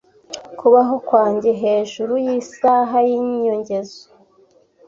kubaho kwanjye hejuru yisaha y’inyongezo